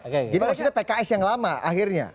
jadi maksudnya pks yang lama akhirnya